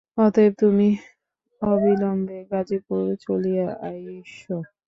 অতএব তুমি অবিলম্বে গাজীপুরে চলিয়া আইস।